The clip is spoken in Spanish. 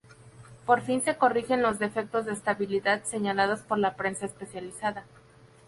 Por fin se corrigen los defectos de estabilidad señalados por la prensa especializada.